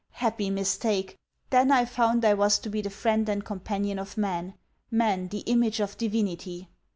Happy mistake! Then I found I was to be the friend and companion of man Man the image of Divinity!